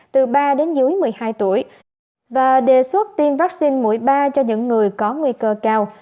từ ba đến dưới một mươi hai tuổi và đề xuất tiêm vaccine mũi ba cho những người có nguy cơ cao